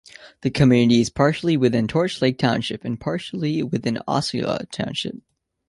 The community is partially within Torch Lake Township and partially within Osceola Township.